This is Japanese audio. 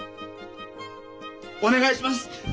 お願いします。